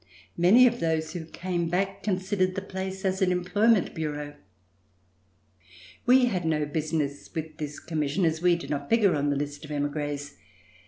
Many of those who RETURN TO PARIS came back considered the place as an employment bureau. We had no business with this Commission as we did not figure on the list of emigres.